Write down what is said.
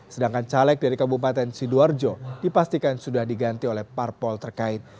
sedangkan caleg dari kabupaten sidoarjo dipastikan sudah diganti oleh parpol terkait